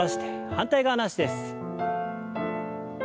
反対側の脚です。